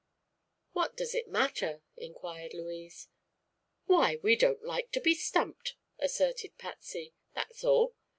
"What does it matter?" inquired Louise. "Why, we don't like to be stumped," asserted Patsy, "that's all.